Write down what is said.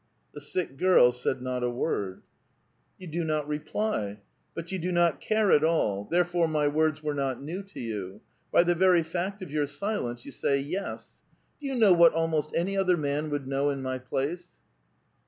The sick girl said not a word. A VITAL QUESTION. 403 "Yon do not reply. But you do not care at all. There fore my words were not new to you. By the very fact of your silence you say ' yes.* Do you know what ahnost any other man would know in my place